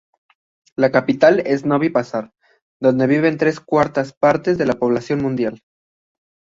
La capital es Novi Pazar, donde viven tres cuartas partes de la población municipal.